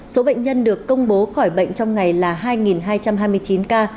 số bệnh nhân được công bố khỏi bệnh trong ngày là hai hai trăm hai mươi chín ca